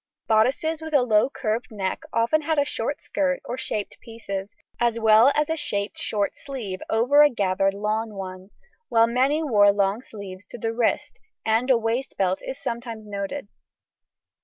Bodices with a low curved neck often had a short skirt or shaped pieces, as well as a shaped short sleeve over a gathered lawn one, while many wore long sleeves to the wrist, and a waistbelt is sometimes noted.